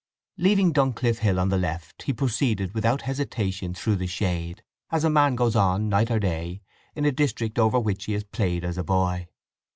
Leaving Duncliffe Hill on the left he proceeded without hesitation through the shade, as a man goes on, night or day, in a district over which he has played as a boy.